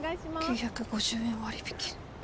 ９５０円割引。